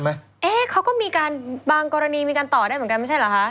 เอ๊ะเขาก็มีการบางกรณีมีการต่อได้เหมือนกันไม่ใช่เหรอคะ